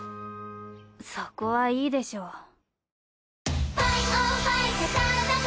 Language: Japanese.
そこはいいでしょう。